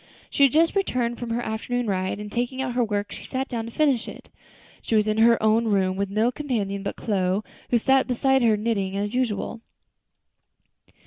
She had just returned from her afternoon ride, and taking out her work she sat down to finish it. She was in her own room, with no companion but Chloe, who sat beside her knitting as usual.